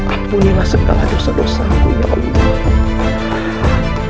ampunilah segala dosa dosa aku ya allah